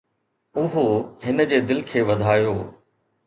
اهو هن جي دل کي وڌايو.